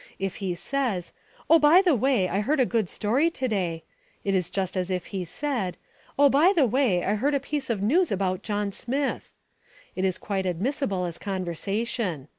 If he says, "Oh, by the way, I heard a good story to day," it is just as if he said, "Oh, by the way, I heard a piece of news about John Smith." It is quite admissible as conversation.